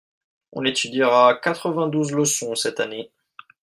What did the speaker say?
On étudiera quatre vingt-douze leçons cette année.